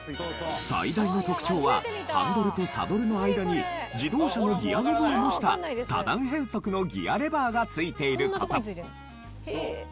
最大の特徴はハンドルとサドルの間に自動車のギアノブを模した多段変速のギアレバーがついている事。